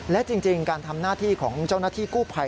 และจริงการทำหน้าที่ของเจ้าหน้าที่กู้ภัย